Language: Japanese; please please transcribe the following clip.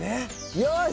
よし！